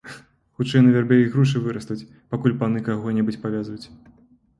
Хутчэй на вярбе ігрушы вырастуць, пакуль паны каго-небудзь павязуць.